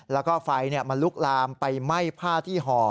แล้วก็ไฟมันลุกลามไปไหม้ผ้าที่ห่อ